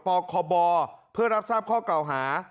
เปอร์ขอบรเพื่อรับทราบข้อเก่าหา